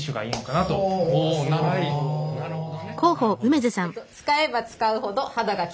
なるほど。